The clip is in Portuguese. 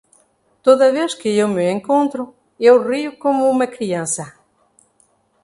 Toda vez que eu me encontro, eu rio como uma criança.